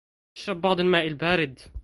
اشرب بعض الماء البارد.